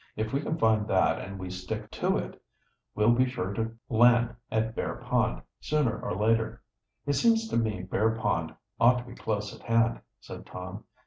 "If we can find that and we stick to it, we'll be sure to land at Bear Pond, sooner or later." "It seems to me Bear Pond ought to be close at hand," said Tom.